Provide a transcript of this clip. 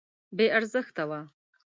بې ارزښته وه.